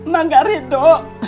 mak gak ridho